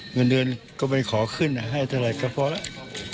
เงินเดือนก็ไม่ขอขึ้นให้เท่าไหร่ก็พอแล้ว